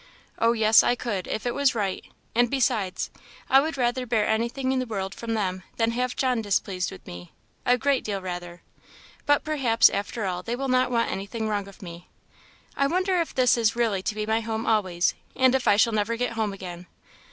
Oh yes, I could, if it was right; and besides, I would rather bear anything in the world from them than have John displeased with me a great deal rather! But perhaps after all they will not want anything wrong of me. I wonder if this is really to be my home always, and if I shall never get home again!